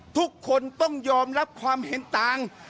ทุกคนต้องยอมรับความเห็นต่าง